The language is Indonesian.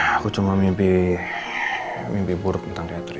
aku cuma mimpi mimpi buruk tentang diaturin